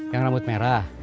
yang rambut merah